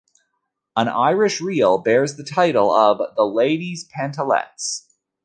An Irish reel bears the title of the Ladies' Pantalettes.